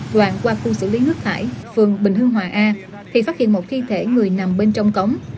đoạn qua khu xử lý nước thải phường bình hương hòa a thì phát hiện một thi thể người nằm bên trong cống